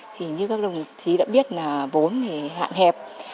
thì như các đồng chí đã biết là vốn thì hạn hẹp